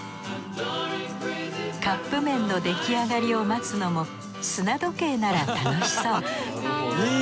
カップ麺の出来上がりを待つのも砂時計なら楽しそうかわいい。